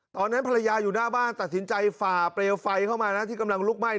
ตอนนั้นภรรยาอยู่หน้าบ้านตัดสินใจฝ่าเปลวไฟเข้ามานะที่กำลังลุกไหม้